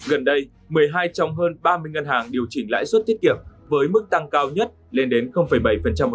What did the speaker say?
gần đây một mươi hai trong hơn ba mươi ngân hàng điều chỉnh lãi suất tiết kiệm với mức tăng cao nhất lên đến bảy một